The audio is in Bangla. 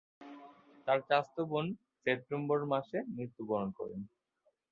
তার চাচাতো বোন সেপ্টেম্বর মাসে মৃত্যুবরণ করে।